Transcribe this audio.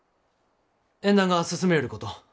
縁談が進みょうること。